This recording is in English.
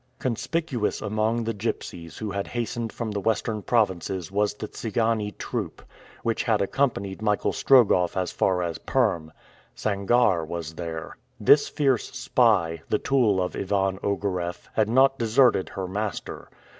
Conspicuous among the gypsies who had hastened from the western provinces was the Tsigane troop, which had accompanied Michael Strogoff as far as Perm. Sangarre was there. This fierce spy, the tool of Ivan Ogareff, had not deserted her master.